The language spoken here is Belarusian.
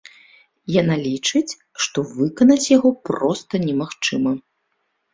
Яна лічыць, што выканаць яго проста немагчыма.